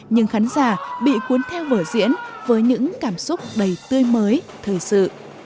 nhưng khán giả bị cuốn theo vở diễn với những cảm xúc đầy tươi mới thời sự